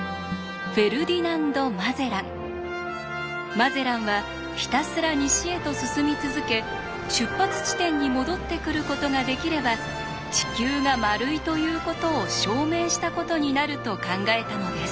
マゼランはひたすら西へと進み続け出発地点に戻ってくることができれば「地球が丸い」ということを証明したことになると考えたのです。